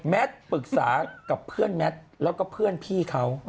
ปรึกษากับเพื่อนแมทแล้วก็เพื่อนพี่เขา